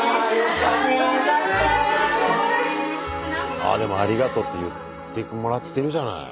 ああでも「ありがとう」って言ってもらってるじゃない。